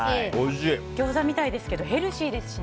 ギョーザみたいですけどヘルシーですしね。